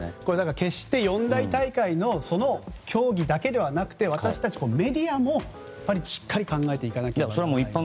決して四大大会のその競技だけじゃなく私たちメディアもしっかり考えていかなければなりません。